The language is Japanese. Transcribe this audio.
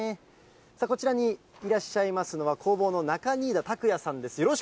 さあ、こちらにいらっしゃいますのは、工房の中新田拓也さんです。